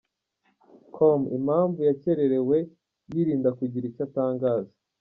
com impamvu yakererewe, yirinda kugira icyo atangaza.